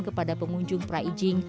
kepada pengunjung praijing